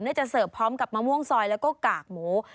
จะเสิร์ฟพร้อมกับมะม่วงซอยแล้วก็กากหมู